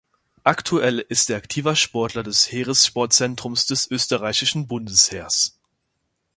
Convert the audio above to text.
Aktuell ist er aktiver Sportler des Heeressportzentrums des Österreichischen Bundesheers.